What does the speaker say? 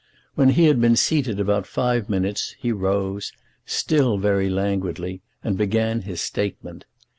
When he had been seated about five minutes he rose, still very languidly, and began his statement.